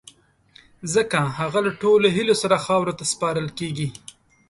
ځڪه هغه له ټولو هیلو سره خاورو ته سپارل کیږی